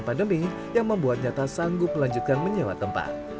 pandemi yang membuatnya tak sanggup melanjutkan menyewa tempat